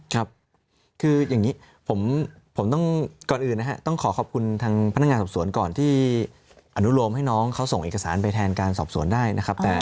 ครับคืออย่างนี้ผมต้องก่อนอื่นนะฮะต้องขอขอบคุณทางพนักงานสอบสวนก่อนที่อนุโลมให้น้องเขาส่งเอกสารไปแทนการสอบสวนได้นะครับ